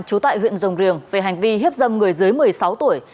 trú tại huyện rồng riềng về hành vi hiếp dâm người dưới một mươi sáu tuổi